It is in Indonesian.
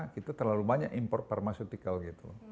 kita terlalu banyak import pharmaceutical gitu